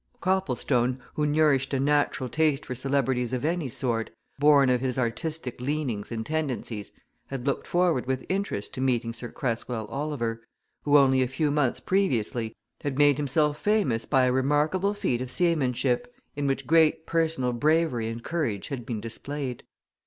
Copplestone, who nourished a natural taste for celebrities of any sort, born of his artistic leanings and tendencies, had looked forward with interest to meeting Sir Cresswell Oliver, who, only a few months previously, had made himself famous by a remarkable feat of seamanship in which great personal bravery and courage had been displayed.